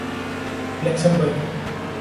Luxembourg